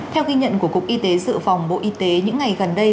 theo ghi nhận của cục y tế dự phòng bộ y tế những ngày gần đây